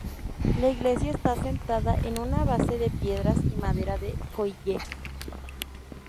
La iglesia está asentada en una base de piedras y madera de coigüe.